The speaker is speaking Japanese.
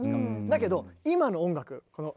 だけど今の音楽この。